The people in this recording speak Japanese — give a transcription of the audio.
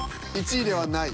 「１位ではない」。